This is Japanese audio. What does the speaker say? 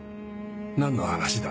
何の話だ？